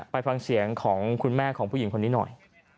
ไปฟังเสียงของคุณแม่ของผู้หญิงคนนี้หน่อย